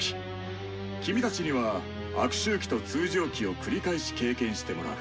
君たちには悪周期と通常期を「繰り返し」経験してもらう。